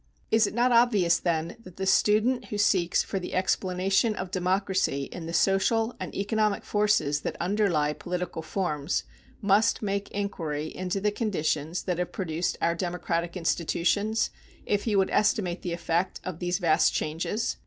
Is it not obvious, then, that the student who seeks for the explanation of democracy in the social and economic forces that underlie political forms must make inquiry into the conditions that have produced our democratic institutions, if he would estimate the effect of these vast changes?